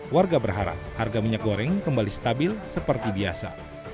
warga berharap harga minyak goreng kembali stabil seperti biasa